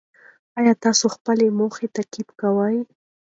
ایا تاسو د خپلو موخو تعقیب کوئ؟